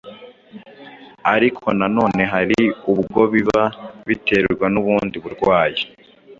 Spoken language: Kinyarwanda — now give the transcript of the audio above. Ariko nanone hari ubwo biba biterwa n’ubundi burwayi